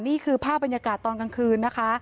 นี่คือภาพบรรยากาศตอนกลางคืนนะคะ